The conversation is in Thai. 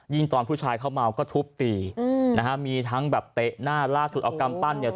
ยิ่งตอนผู้ชายเขามาวก็ทุบตีมีทั้งแบบเตะหน้าร้าดซุลอกรรมปั่นเนี่ย